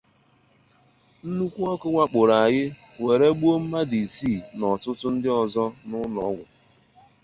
Nnukwu ọkụ wakporo anyị were gbuo mmadụ isii na ọtụtụ ndị ọzọ nọ n'ụlọ ọgwụ